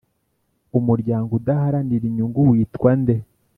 umuryango udaharanira inyungu witwa nde